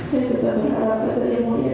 saya tetap mengharapkan yang mulia